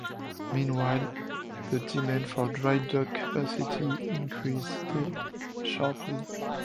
Meanwhile the demand for dry dock capacity increased sharply.